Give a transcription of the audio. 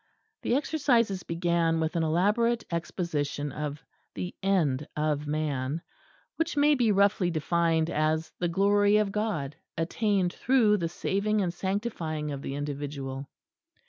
The Exercises began with an elaborate exposition of the End of man which may be roughly defined as the Glory of God attained through the saving and sanctifying of the individual.